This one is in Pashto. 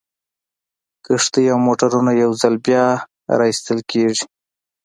کښتۍ او موټرونه یو ځل بیا را ایستل کیږي